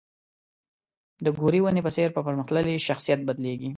د ګورې ونې په څېر په پرمختللي شخصیت بدلېږي.